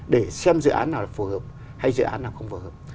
để xem dự án nào là phù hợp hay dự án nào không phù hợp